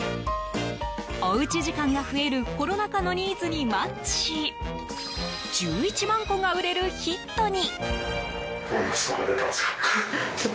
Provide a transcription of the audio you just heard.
おうち時間が増えるコロナ禍のニーズにマッチし１１万個が売れるヒットに。